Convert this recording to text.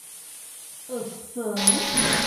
— Ыҫ-ҫ-ҫ-ҫ-ын!